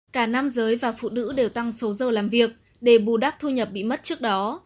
cả nam giới và phụ nữ đều tăng số giờ làm việc để bù đắp thu nhập bị mất trước đó